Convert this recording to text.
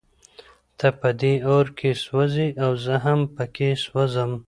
ته په دې اور کې سوزې او زه هم پکې سوزم.